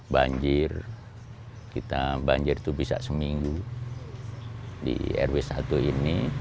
banjir kita banjir itu bisa seminggu di rw satu ini